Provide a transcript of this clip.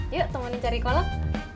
yuk temennya cari kolak